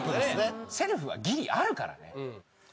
セルフはギリあるからね。